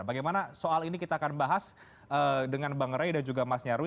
bagaimana soal ini kita akan bahas dengan bang ray dan juga mas nyarwi